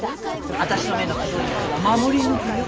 私の目の黒いうちは守り抜くよ。